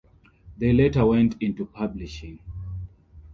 They later went into publishing.